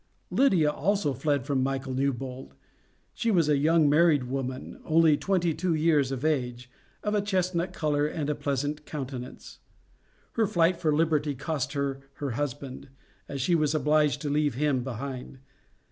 Lydia also fled from Michael Newbold. She was a young married woman, only twenty two years of age, of a chestnut color and a pleasant countenance. Her flight for liberty cost her her husband, as she was obliged to leave him behind.